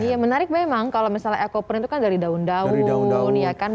ya menarik memang kalau misalnya ekoprint itu kan dari daun daun